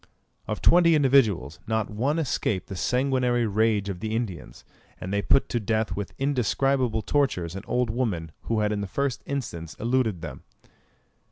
Of twenty individuals, not one escaped the sanguinary rage of the Indians; and they put to death with indescribable tortures an old woman who had in the first instance eluded them.